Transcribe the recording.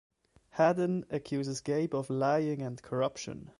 Hadden accuses Gabe of lying and corruption.